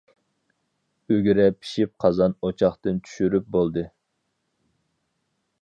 ئۈگرە پىشىپ قازان ئوچاقتىن چۈشۈرۈپ بولدى.